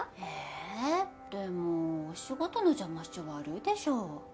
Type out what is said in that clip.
えでもお仕事の邪魔しちゃ悪いでしょう。